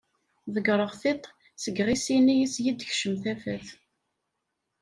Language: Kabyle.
Ḍegreɣ tiṭ seg yiɣisi-nni iseg d-tkeccem tafat.